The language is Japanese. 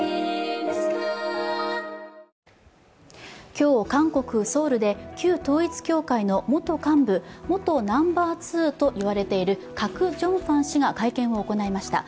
今日、韓国ソウルで旧統一教会の元幹部、元ナンバー２と言われているカク・ジョンファン氏が会見を行いました。